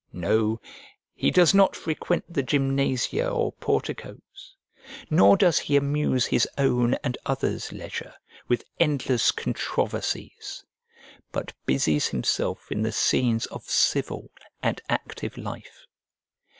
No, he does not frequent the gymnasia or porticoes nor does he amuse his own and others' leisure with endless controversies, but busies himself in the scenes of civil and active life.